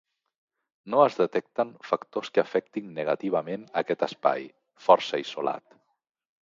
No es detecten factors que afectin negativament aquest espai, força isolat.